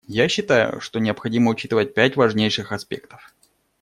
Я считаю, что необходимо учитывать пять важнейших аспектов.